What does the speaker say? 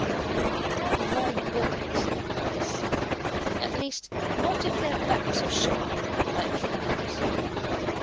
'You can't ride bulls,' Alice said; 'at least, not if their backs are sharp like cows.